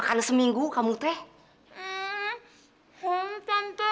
ya kita habis bit surprised